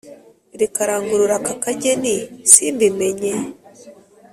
Rikarangurura aka kageni simbimenye